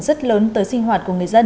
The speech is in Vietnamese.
rất lớn tới sinh hoạt của người dân